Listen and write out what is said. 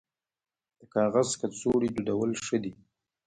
د کاغذ کڅوړې دودول ښه دي